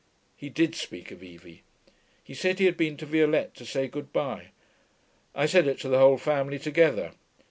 He did speak of Evie. He said he had been to Violette to say good bye. 'I said it to the whole family together.